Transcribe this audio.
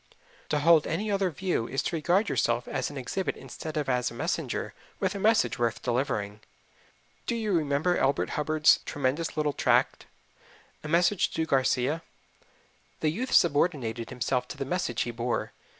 To hold any other view is to regard yourself as an exhibit instead of as a messenger with a message worth delivering. Do you remember Elbert Hubbard's tremendous little tract, "A Message to Garcia"? The youth subordinated himself to the message he bore.